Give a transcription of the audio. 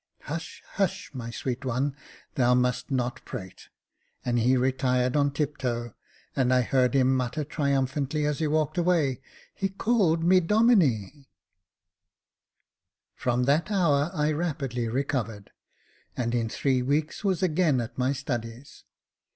Hush, hush, my sweet one, thou must not prate ;" and he retired on tiptoe, and I heard him mutter triumphantly, as he walked away, " He called me ' Domme !'" 46 Jacob Faithful From that hour I rapidly recovered, and in three weeks was again at my studies.